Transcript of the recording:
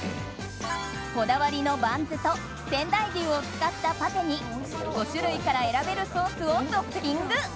こだわりのバンズと仙台牛を使ったパテに５種類から選べるソースをトッピング。